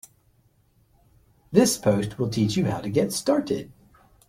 This post will teach you how to get started.